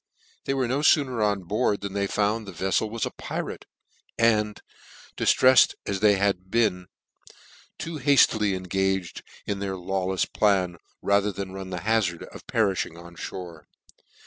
They were no fooner on board than they found the vefiel was a pirate , and, diftreffed as they had been, too haftily engaged in their lawlefs plan, rather than run the hazard of periming on more.